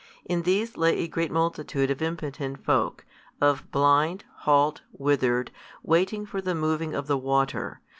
In these lay a great multitude of impotent folk, of blind, halt, withered, waiting for the moving of the water.